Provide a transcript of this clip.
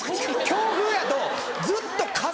強風やとずっと風。